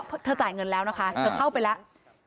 เพราะเธอจ่ายเงินแล้วนะคะเธอเข้าไปแล้ว